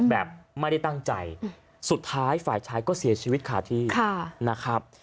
แบบไม่ได้ตั้งใจสุดท้ายฝ่ายชายก็เสียชีวิตขาดที่นะครับ